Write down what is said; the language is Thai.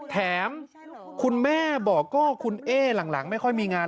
แถมคุณแม่บอกก็คุณเอ๊หลังไม่ค่อยมีงาน